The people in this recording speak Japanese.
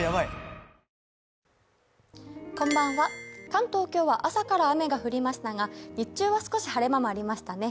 関東、今日は朝から雨が降りましたが日中は少し晴れ間もありましたね。